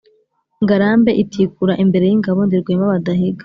Ngarambe itikura imbere y’ingabo ndi Rwema badahiga,